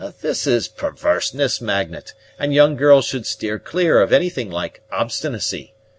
"This is perverseness, Magnet, and young girls should steer clear of anything like obstinacy.